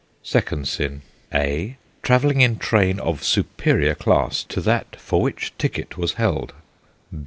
Second sin: (a) Travelling in train of superior class to that for which ticket was held.